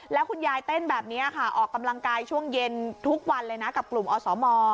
แล้วคุณยายเต้นแบบนี้ค่ะออกกำลังกายช่วงเย็นทุกวันเลยนะกับกลุ่มอสม